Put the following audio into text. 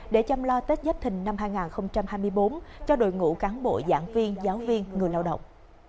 để chăm lo tết dấp thình năm hai nghìn hai mươi bốn cho đội ngũ cán bộ giảng viên giáo viên người lao động